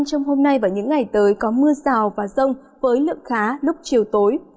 trong hôm nay và những ngày tới có mưa rào và rông với lượng khá lúc chiều tối